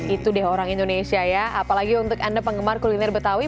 itu deh orang indonesia ya apalagi untuk anda penggemar kuliner betawi